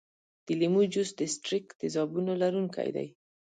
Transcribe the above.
د لیمو جوس د ستریک تیزابونو لرونکی دی.